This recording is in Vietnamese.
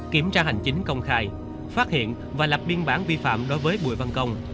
kiểm tra hành chính công khai phát hiện và lập biên bản vi phạm đối với bùi văn công